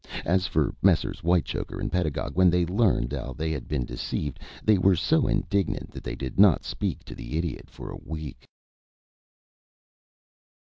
As for Messrs. Whitechoker and Pedagog, when they learned how they had been deceived, they were so indignant that they did not speak to the Idiot for a week.